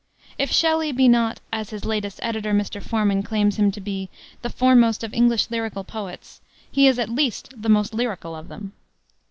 If Shelley be not, as his latest editor, Mr. Forman, claims him to be, the foremost of English lyrical poets, he is at least the most lyrical of them.